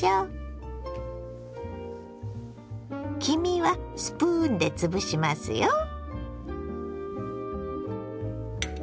黄身はスプーンでつぶしますよ。